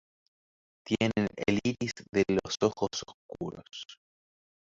Tienen el iris de los ojos oscuro.